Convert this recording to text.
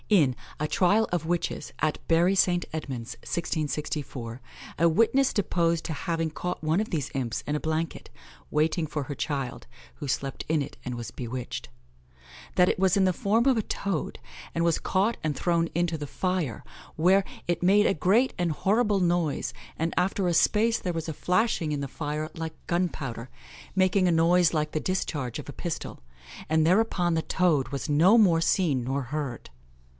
In "a Tryal of Witches, at Bury St. Edmunds, 1664," a witness deposed to having caught one of these imps in a blanket, waiting for her child, who slept in it and was bewitched; that it was in the form of a toad, and was caught and thrown into the fire, where "it made a great and horrible noise, and after a space there was a flashing in the fire like gunpowder, making a noise like the discharge of a pistol, and thereupon the toad was no more seen nor heard."